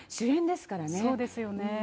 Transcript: そうですよね。